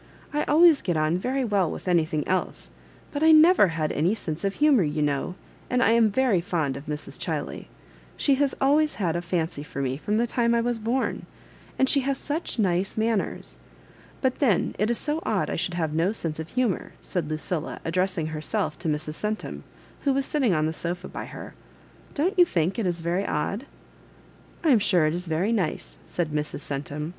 I always get on very well with anything else, but I never had any sense of humour, you know ; and I am very fond of Mrs. Chiley. She has always had a fUncy for me from the time I was borm and she has such nice manners. But then it is so odd I should have no sense of humour," said Lucilla, address ing herself to Mrs. Centum, who was sitting on the sofa by her. " Don't you think it is very odd?" "I am sure it is very nice," said Mrs. Cen tum.